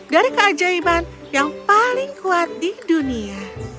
dari keajaiban yang paling kuat di dunia